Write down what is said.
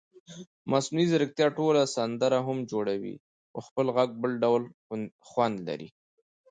مصنوعي ځیرکتیا ټوله سندره هم جوړوي خو خپل غږ بل ډول خوند لري.